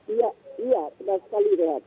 iya iya benar sekali rehat